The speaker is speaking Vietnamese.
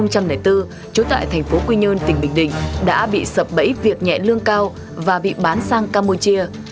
trốn tại tp hcm tỉnh bình đình đã bị dập bẫy việc nhẹ lương cao và bị bán sang campuchia